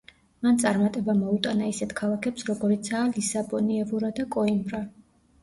მან წარმატება მოუტანა ისეთ ქალაქებს როგორიცაა ლისაბონი, ევორა და კოიმბრა.